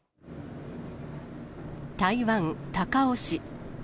台湾・高雄市。